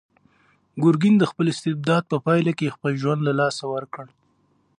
ګورګین د خپل استبداد په پایله کې خپل ژوند له لاسه ورکړ.